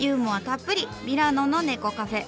たっぷりミラノの猫カフェ。